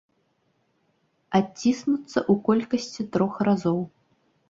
Адціснуцца ў колькасці трох разоў!